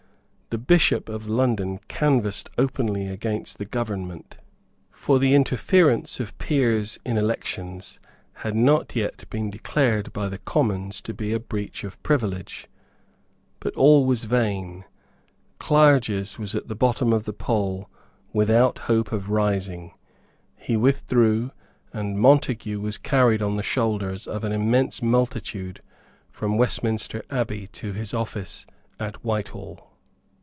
The Bishop of London canvassed openly against the government; for the interference of peers in elections had not yet been declared by the Commons to be a breach of privilege. But all was vain. Clarges was at the bottom of the poll without hope of rising. He withdrew; and Montague was carried on the shoulders of an immense multitude from Westminster Abbey to his office at Whitehall.